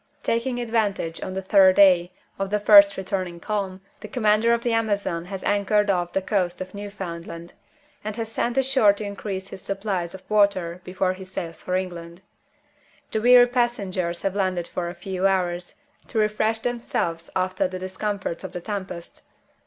Taking advantage, on the third day, of the first returning calm, the commander of the Amazon has anchored off the coast of Newfoundland, and has sent ashore to increase his supplies of water before he sails for England. The weary passengers have landed for a few hours, to refresh themselves after the discomforts of the tempest.